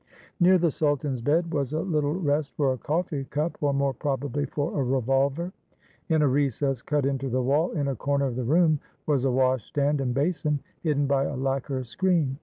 Near the sultan's bed was a little 532 THE HOUSE OF FEAR rest for a coffee cup, or, more probably, for a revolver. In a recess cut into the wall in a corner of the room was a washstand and basin, hidden by a lacquer screen.